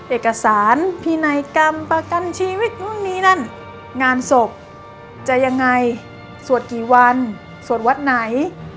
เอกสารพินัยกรรมประกันชีวิตนู่นนี่นั่นงานศพจะยังไงสวดกี่วันสวดวัดไหน